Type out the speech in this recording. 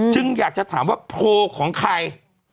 อยากจะถามว่าโพลของใคร